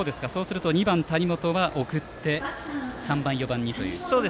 ２番、谷本は送って３番、４番にと。